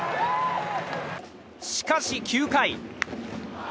しかし、９回。